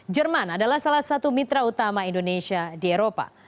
jerman adalah salah satu mitra utama indonesia di eropa